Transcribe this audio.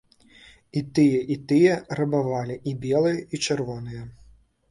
І тыя, і тыя рабавалі, і белыя, і чырвоныя.